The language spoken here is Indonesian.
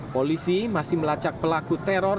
polisi masih melacak pelaku teror